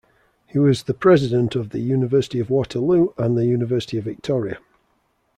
He was the President of the University of Waterloo and the University of Victoria.